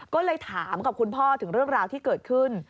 ก็เลยถามกับคุณพ่อถึงเรื่องราวที่เกิดขึ้น